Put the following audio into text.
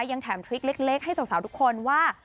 ยังแถมทริคเล็กให้สาวทุกคนว่า